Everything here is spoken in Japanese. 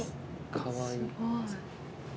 かわいい。